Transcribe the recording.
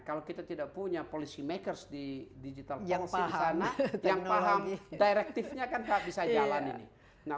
kalau kita tidak punya policy makers di digital policy di sana yang paham direktifnya kan tidak bisa jalan